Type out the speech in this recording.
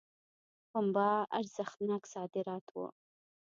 پنبه ارزښتناک صادرات وو.